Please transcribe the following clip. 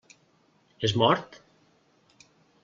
És mort?